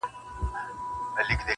له توبې دي په هغه ګړي معذور سم-